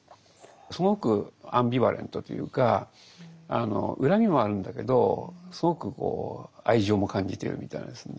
すごくアンビバレントというか恨みもあるんだけどすごく愛情も感じているみたいなですね